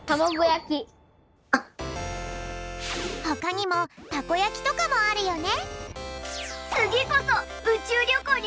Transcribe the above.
ほかにもたこやきとかもあるよね。